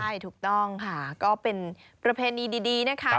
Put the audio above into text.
ใช่ถูกต้องค่ะก็เป็นประเพณีดีนะคะ